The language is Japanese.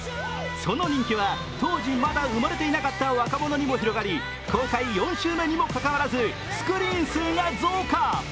その人気は、当時まだ生まれていなかった若者にも広がり、公開４週目にもかかわらずスクリーン数が増加。